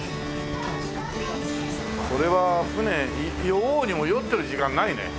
これは船酔おうにも酔ってる時間ないね。